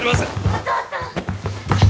お父さん！